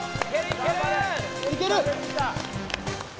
いける！